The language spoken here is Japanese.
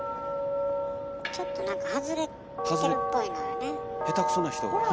ちょっと外れてるっぽいのよね。